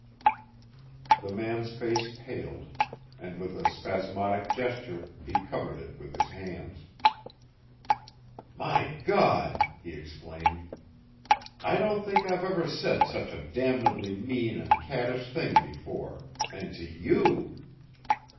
The man's face paled and with a spasmodic gesture he covered it with his hands. "My God!" he exclaimed, "I don't think I've ever said such a damnably mean and caddish thing before and to you!"